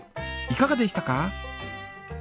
いかがでしたか？